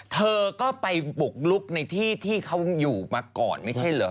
เธอก็ไปบุกลุกในที่ที่เขาอยู่มาก่อนไม่ใช่เหรอ